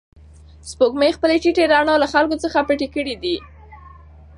سپوږمۍ خپله تتې رڼا له خلکو څخه پټه کړې ده.